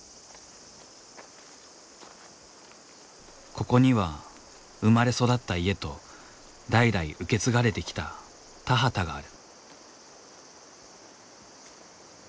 ここには生まれ育った家と代々受け継がれてきた田畑がある。